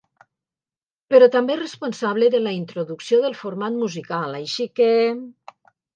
Però també és responsable de la introducció del format musical, així que...